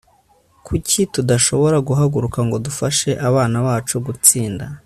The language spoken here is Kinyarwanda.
kuki tudashobora guhaguruka ngo dufashe abana bacu gutsinda